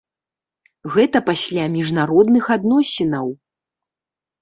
Гэта пасля міжнародных адносінаў!